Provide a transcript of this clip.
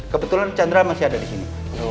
kebetulan chandra masih ada disini